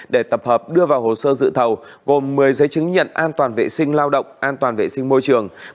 để tập hợp đưa vào hồ sơ dự thầu gồm một mươi giấy chứng nhận an toàn vệ sinh lao động an toàn vệ sinh môi trường